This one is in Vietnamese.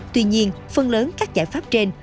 tuy nhiên phần lớn các giải pháp trên